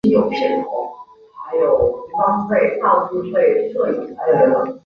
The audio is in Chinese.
切开的边缘形状可以分为锯齿形和扶手椅形。